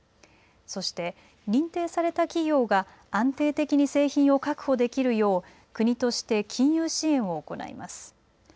そして認定された企業が安定的に製品を確保できるよう国として金融支援を行います。